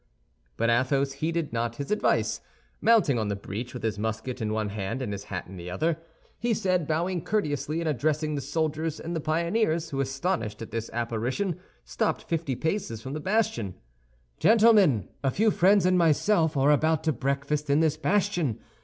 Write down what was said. But Athos heeded not his advice. Mounting on the breach, with his musket in one hand and his hat in the other, he said, bowing courteously and addressing the soldiers and the pioneers, who, astonished at this apparition, stopped fifty paces from the bastion: "Gentlemen, a few friends and myself are about to breakfast in this bastion.